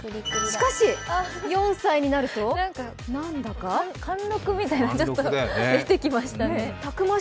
しかし、４歳になると貫禄みたいのが出てきましたね。